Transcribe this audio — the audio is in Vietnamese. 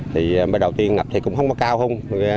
thì đầu tiên ngập thì cũng không có cao không